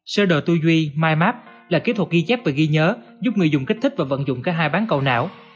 sơ đồ tuy duy mymap là kỹ thuật ghi chép và ghi nhớ giúp người dùng kích thích và vận dụng cả hai bán cầu não